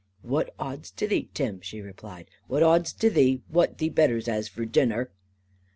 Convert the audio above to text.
"What odds to thee, Tim," she replied, "what odds to thee, what thee betters has for dinner?"